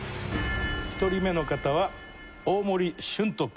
１人目の方は大森駿音君。